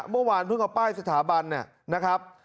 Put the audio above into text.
เมื่อวานเพิ่งเอาป้ายสถาบันเนี่ยนะครับ